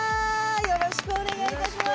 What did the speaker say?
よろしくお願いします。